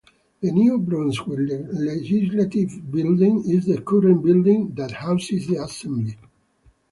The New Brunswick Legislative Building is the current building that houses the Assembly.